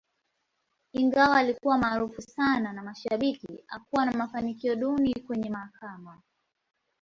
Ingawa alikuwa maarufu sana na mashabiki, hakuwa na mafanikio duni kwenye mahakama.